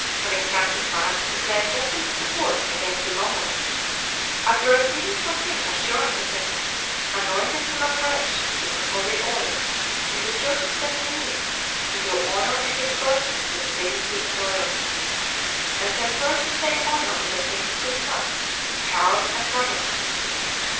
having come to France to claim Pepin's support against the Lombards, after receiving from him assurance of it, "anointed him afresh with the holy oil in the church of St. Denis to do honor in his person to the dignity of royalty," and conferred the same honor on the king's two sons, Charles and Carloman.